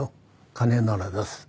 金なら出す。